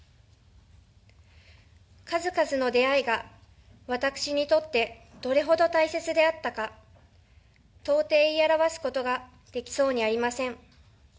数々の出会いが、私にとってどれほど大切であったか、到底言い表すことができそうにありません。